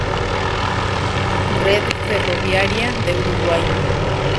Red ferroviaria de Uruguay